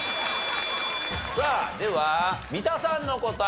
さあでは三田さんの答え